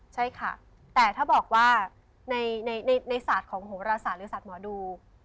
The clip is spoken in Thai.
ใช่ค่ะแต่ถ้าบอกว่าในศาสตร์ของโหรศาสตร์หรือศาสตร์หมอดู